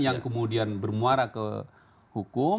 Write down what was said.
yang kemudian bermuara ke hukum